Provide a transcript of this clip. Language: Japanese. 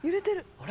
あれ？